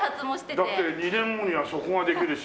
だって２年後にはそこができるし。